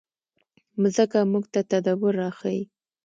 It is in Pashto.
مځکه موږ ته تدبر راښيي.